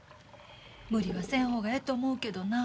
無理はせん方がええと思うけどな。